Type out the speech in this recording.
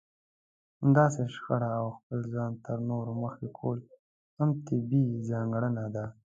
همداسې شخړه او خپل ځان تر نورو مخکې کول هم طبيعي ځانګړنه ده.